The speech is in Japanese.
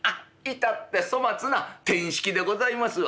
至って粗末なてんしきでございますわ」。